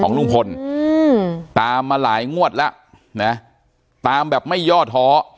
ของลุงพลอืมตามมาหลายงวดแล้วเนี่ยตามแบบไม่ย่อท้อ